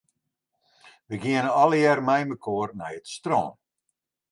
Wy geane allegear meimekoar nei it strân.